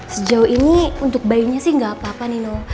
sejauh ini untuk bayinya sih gapapa nino